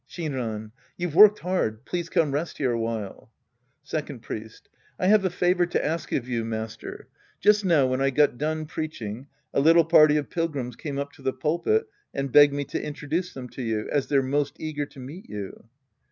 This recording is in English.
Shinran. You've worked hard. Please come rest here a while. Second Priest. I have a favor to ask of you, master. Just now when I got done preacliing, a little party of pilgrims came up to the pulpit and begged me to introduce them to you, as they're most eager to meet you.